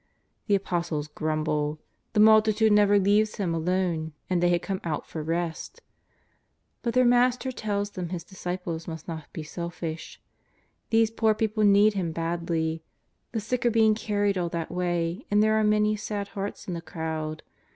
The Apostles grumble. The multitude never leaves Him alone, and they had come out for rest. But their Master tells them His disciples must not be selfish. These poor people need Him badly ; the sick are being carried all that way, and there are many sad hearts in the crowd.